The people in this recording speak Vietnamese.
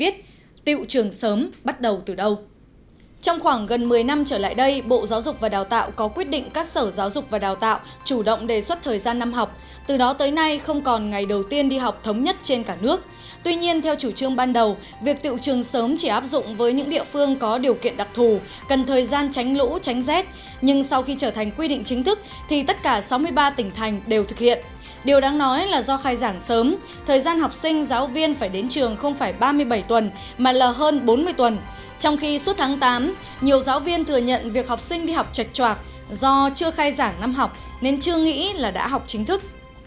trong khi suốt tháng tám nhiều giáo viên thừa nhận việc học sinh đi học chật chọc do chưa khai giảng năm học nên chưa nghĩ là đã học chính thức